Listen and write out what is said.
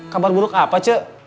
kabar buruk apa ce